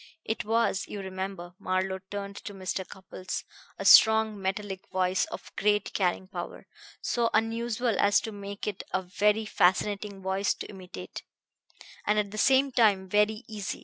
It was, you remember," Marlowe turned to Mr. Cupples "a strong, metallic voice, of great carrying power, so unusual as to make it a very fascinating voice to imitate, and at the same time very easy.